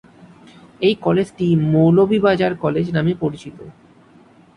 এই কলেজটি "মৌলভীবাজার কলেজ" নামে পরিচিত।